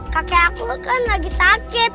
kakek aku kan lagi sakit